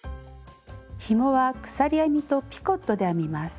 ひもは鎖編みとピコットで編みます。